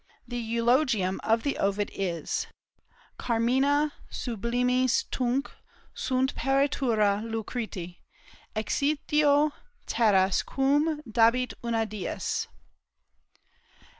The eulogium of Ovid is "Carmina sublimis tunc sunt peritura Lucretî, Exitio terras quum dabit una dies."